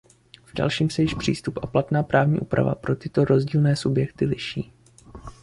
V dalším se již přístup a platná právní úprava pro tyto rozdílné subjekty liší.